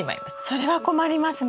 それは困りますね。